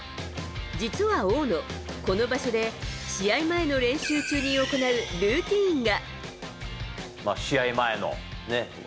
実は大野、この場所で試合前の練習中に行うルーティンが。